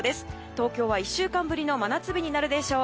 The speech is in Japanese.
東京は１週間ぶりの真夏日になるでしょう。